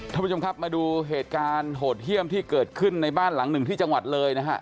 ท่านผู้ชมครับมาดูเหตุการณ์โหดเยี่ยมที่เกิดขึ้นในบ้านหลังหนึ่งที่จังหวัดเลยนะฮะ